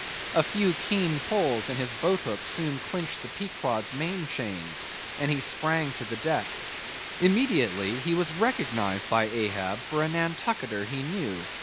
A few keen pulls, and his boat hook soon clinched the Pequod's main chains, and he sprang to the deck. Immediately he was recognised by Ahab for a Nantucketer he knew.